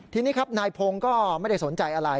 ทีนี้ครับนายพงศ์ก็ไม่ได้สนใจอะไร